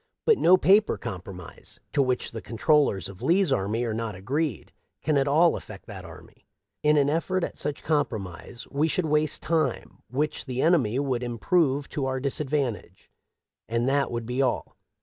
" But no paper compromise, to which the con trollers of Lee's army are not agreed, can at all affect that army. In an effort at such compromise we should waste time, which the enemy would im prove to our disadvantage ; and that would be all.